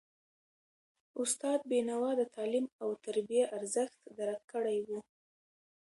استاد بینوا د تعلیم او تربیې ارزښت درک کړی و.